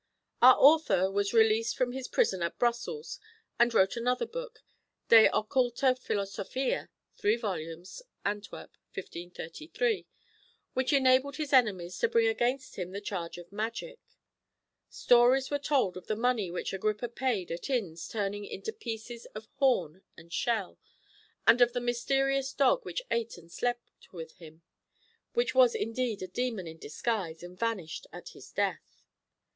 Our author was released from his prison at Brussels, and wrote another book, De occulta Philosophia (3 vols., Antwerp, 1533), which enabled his enemies to bring against him the charge of magic. Stories were told of the money which Agrippa paid at inns turning into pieces of horn and shell, and of the mysterious dog which ate and slept with him, which was indeed a demon in disguise and vanished at his death.